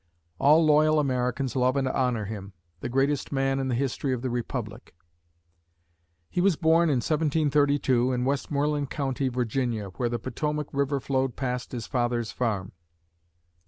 All loyal Americans love and honor him, the greatest man in the history of the Republic. He was born in 1732, in Westmoreland County, Virginia, where the Potomac River flowed past his father's farm.